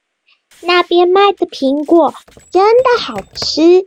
那邊賣的蘋果真的好吃